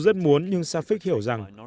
dù rất muốn nhưng safik hiểu rằng